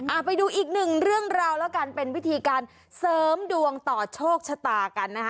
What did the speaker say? ไปดูอีกหนึ่งเรื่องราวแล้วกันเป็นวิธีการเสริมดวงต่อโชคชะตากันนะคะ